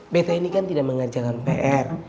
pt ini kan tidak mengerjakan pr